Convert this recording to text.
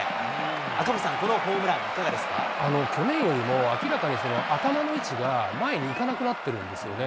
赤星さん、このホームラン、去年よりも明らかに、頭の位置が前にいかなくなってるんですよね。